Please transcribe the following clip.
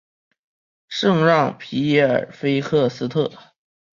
圣让皮耶尔菲克斯特。